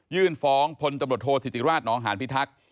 ฟ้องพลตำรวจโทษธิติราชนองหานพิทักษ์